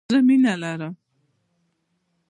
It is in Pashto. زه مينه لرم